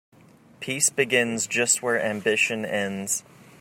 Peace begins just where ambition ends.